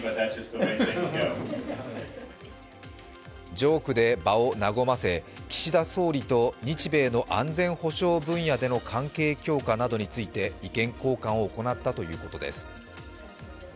ジョークで場を和ませ岸田総理と日米の安全保障分野での関係強化などについて意見交換を行ったということです。